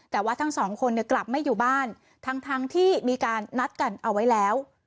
แต่ว่าทั้งสองคนเนี่ยกลับไม่อยู่บ้านทั้งที่มีการนัดกันเอาไว้แล้ว